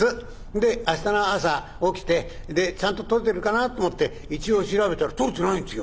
で明日の朝起きて「ちゃんと録れてるかな」と思って一応調べたら録れてないんですよ。